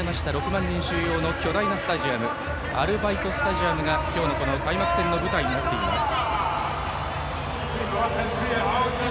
６万人収容の巨大なスタジアムアルバイトスタジアムが今日の開幕戦の舞台です。